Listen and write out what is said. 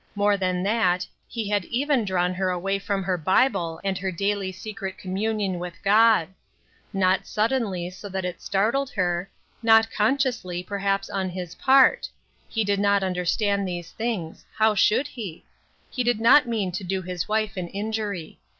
More than that, he had even drawn her away from her Bible and her daily secret communion with God. Not suddenly, so that it startled her ; not con sciously, perhaps, on his part ; he did not under stand these things ; how should he ? He did not mean to do his wife an injury.